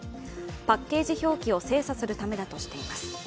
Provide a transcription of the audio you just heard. パッケージ表記を精査するためだとしています。